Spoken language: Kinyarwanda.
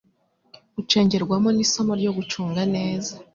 gucengerwamo n’isomo ryo gucunga neza,